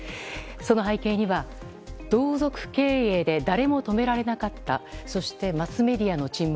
その背景には同族経営で誰も止められなかったそして、「マスメディアの沈黙」。